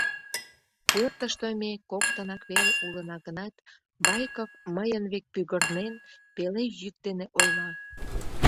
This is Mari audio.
Пӧртыштӧ ме коктынак веле улына гынат, Байков, мыйын век пӱгырнен, пеле йӱк дене ойла: